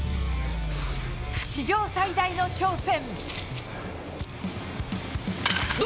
史上最大の挑戦。